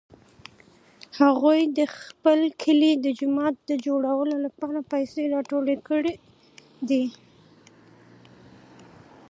هغوی د خپل کلي د جومات د جوړولو لپاره پیسې راټولې کړې دي